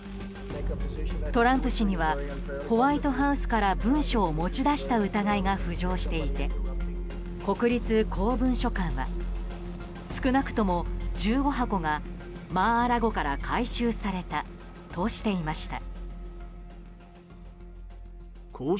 トランプ氏にはホワイトハウスから文書を持ち出した疑いが浮上していて、国立公文書館は少なくとも１５箱がマー・ア・ラゴから回収されたとしていました。